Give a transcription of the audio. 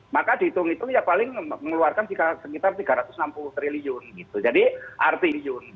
maka dihitung itu ya paling mengeluarkan sekitar tiga ratus enam puluh triliun gitu